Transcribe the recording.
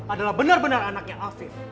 adalah benar benar anaknya afif